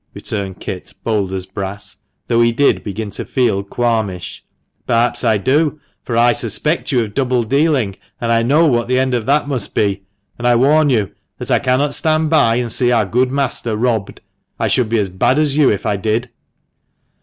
returned Kit, bold as brass, though he did begin to feel qualmish. ''Perhaps I do, for I suspect you of double dealing, and I know what the end of that must be ; and I warn you that I THE MANCHESTER MAN. 159 cannot stand by and see our good master robbed. I should be as bad as you if I did."